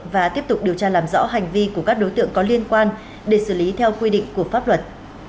và tiếp tục điều tra làm rõ hành vi của các đối tượng có liên quan để xử lý theo quy định của pháp luật